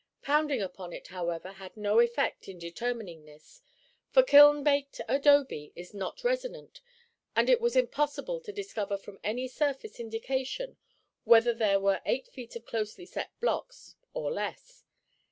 Pounding upon it, however, had no effect in determining this, for kiln baked adobe is not resonant and it was impossible to discover from any surface indication whether there were eight feet of closely set blocks or less.